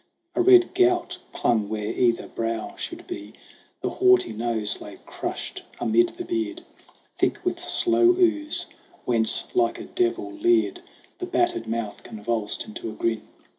A red gout clung where either brow should be ; The haughty nose lay crushed amid the beard, Thick with slow ooze, whence like a devil leered The battered mouth convulsed into a grin.